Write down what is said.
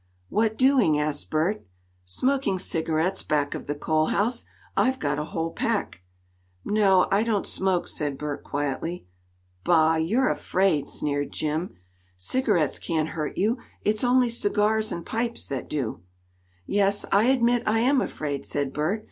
"What doing?" asked Bert. "Smoking cigarettes back of the coal house. I've got a whole pack." "No; I don't smoke," said Bert quietly. "Bah! You're afraid!" sneered Jim. "Cigarettes can't hurt you. It's only cigars and pipes that do." "Yes, I admit I am afraid," said Bert.